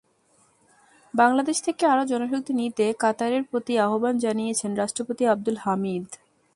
বাংলাদেশ থেকে আরও জনশক্তি নিতে কাতারের প্রতি আহ্বান জানিয়েছেন রাষ্ট্রপতি আবদুল হামিদ।